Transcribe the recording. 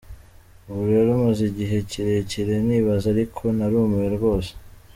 Ubu rero maze igihe kirekire nibaza ariko narumiwe rwose.